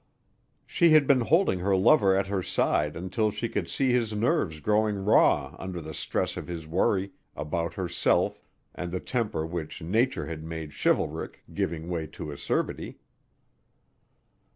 She had been holding her lover at her side until she could see his nerves growing raw under the stress of his worry about herself and the temper which nature had made chivalric giving way to acerbity.